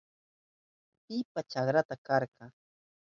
¿Pipa chakranta kayka?